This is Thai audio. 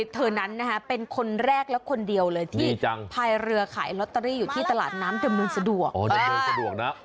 เธอนั้นเป็นคนแรกและคนเดียวที่ภายเรือขายล็อตเตอรี่อยู่ที่ตลาดน้ำดำเนินสะดวก